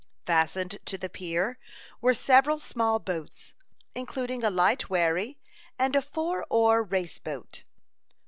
Fastened to the pier were several small boats, including a light wherry, and a four oar race boat.